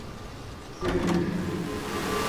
Foi ele mesmo